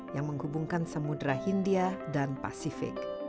yang menghubungkan samudera hindia dan pasifik